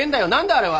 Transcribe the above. あれは。